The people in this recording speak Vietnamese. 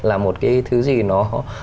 là một cái thứ gì nó